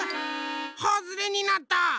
はずれになった。